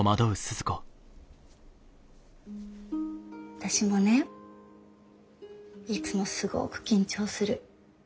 私もねいつもすごく緊張する。